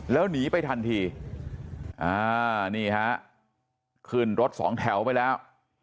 แล้วหนีไปทันทีอ่านี่ฮะขึ้นรถสองแถวไปแล้ว